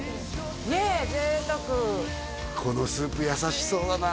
ねえ贅沢このスープ優しそうだな